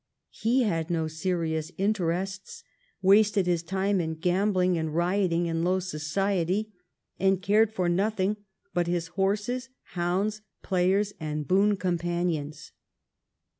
He had no serious interests, wasted his time in gambling and rioting in loAV society, and cared for nothing but his horses, hoiuids, ])layers, and boon companions.